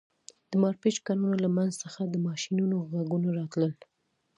د مارپیچ کانونو له منځ څخه د ماشینونو غږونه راتلل